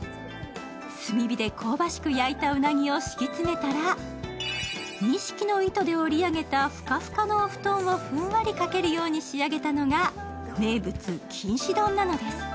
炭火で香ばしく焼いたうなぎを敷き詰めたら、錦の糸で織り上げたふかふかのお布団を、ふんわりかけるように仕上げたのが、名物・きんし丼なのです。